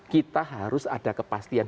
kita harus ada kepastian